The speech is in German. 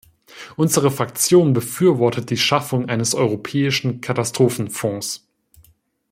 Unsere Fraktion befürwortet die Schaffung eines europäischen Katastrophenfonds.